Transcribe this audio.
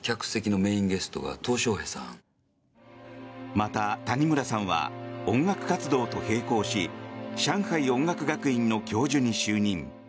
また、谷村さんは音楽活動と並行し上海音楽学院の教授に就任。